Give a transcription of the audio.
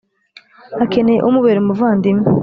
akeneyeumubera umuvandimwe,